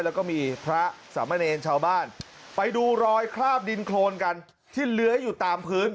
แล้วก็มีพระสามเณรชาวบ้านไปดูรอยคราบดินโครนกันที่เลื้อยอยู่ตามพื้น